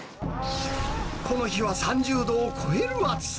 この日は３０度を超える暑さ。